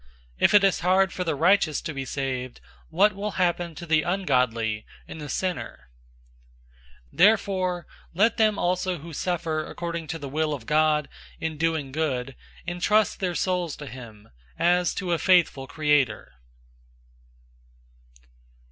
004:018 "If it is hard for the righteous to be saved, what will happen to the ungodly and the sinner?"{Proverbs 11:31} 004:019 Therefore let them also who suffer according to the will of God in doing good entrust their souls to him, as to a faithful Creator.